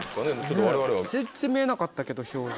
全然見えなかったけど表情。